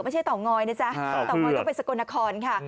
ไม่ใช่เต่างอยนะจ๊ะเต่างอยก็เป็นสกนครค่ะ